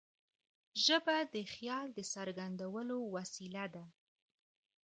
ژبه د خیال د څرګندولو وسیله ده.